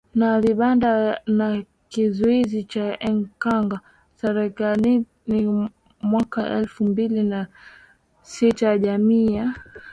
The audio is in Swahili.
na vibanda na kizuizi cha Enkang Serengeti mwaka elfu mbili na sitaJamii ya